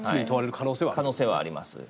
可能性はあります。